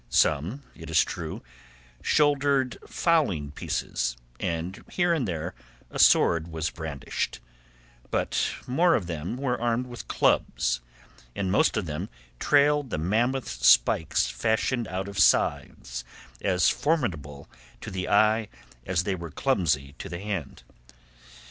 Some, it is true, shouldered fowling pieces, and here and there a sword was brandished; but more of them were armed with clubs, and most of them trailed the mammoth pikes fashioned out of scythes, as formidable to the eye as they were clumsy to the hand.